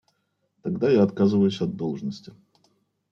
Тогда я отказываюсь от должности.